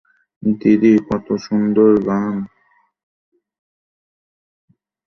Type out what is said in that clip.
দিদি, কতো সুন্দর গান।